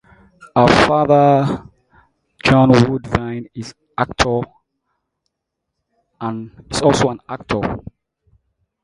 Her father, John Woodvine, is also an actor.